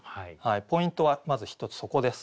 ポイントはまず１つそこです。